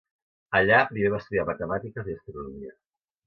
Allà, primer va estudiar matemàtiques i astronomia.